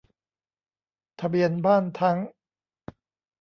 ทะเบียนบ้านทั้ง